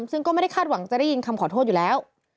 ซึ่งก็ไม่ได้คาดหวังจะได้ยินคำขอโทษอยู่แล้ว